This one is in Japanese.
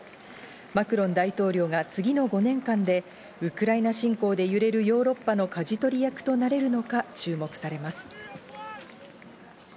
マクロン大統領が次の５年間でウクライナ侵攻で揺れるヨーロッパの舵取り役となれるのか注目されます。